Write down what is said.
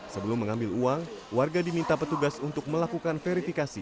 sebelum mengambil uang warga diminta petugas untuk melakukan verifikasi